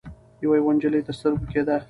يوه يوه نجلۍ تر سترګو کېده.